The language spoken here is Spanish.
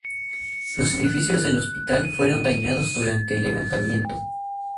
Los edificios del hospital fueron dañados durante el levantamiento.